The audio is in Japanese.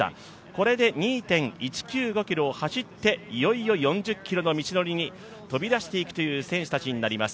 これで２．１９５ｋｍを走っていよいよ４０ｋｍの道のりに飛び出していくという選手たちになります。